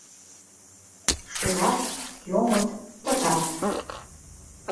Шулат, йомыт, пытат.